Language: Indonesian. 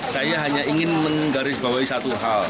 saya hanya ingin menggarisbawahi satu hal